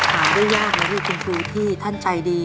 หาได้ยากแล้วลูกจริงที่ท่านใจดี